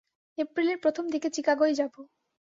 এপ্রিলের প্রথম দিকে চিকাগোয় যাব।